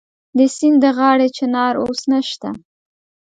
د سیند د غاړې چنار اوس نشته